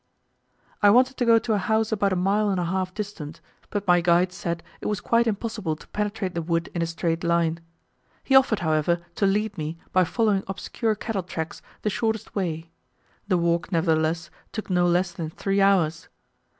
I wanted to go to a house about a mile and a half distant, but my guide said it was quite impossible to penetrate the wood in a straight line. He offered, however, to lead me, by following obscure cattle tracks, the shortest way: the walk, nevertheless, took no less than three hours!